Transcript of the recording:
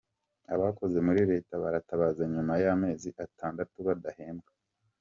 Abakoze muri leta baratabaza nyuma y’amezi atandatu badahembwa